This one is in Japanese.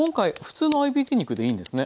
普通の合いびき肉でいいです。